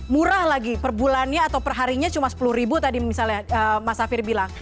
murah lagi per bulannya atau perharinya cuma sepuluh ribu tadi misalnya mas safir bilang